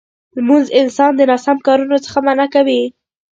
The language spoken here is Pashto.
لمونځ انسان د ناسم کارونو څخه منع کوي.